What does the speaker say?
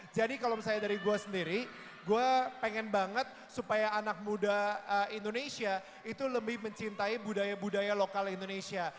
jadi kalau misalnya dari gue sendiri gue pengen banget supaya anak muda indonesia itu lebih mencintai budaya budaya lokal indonesia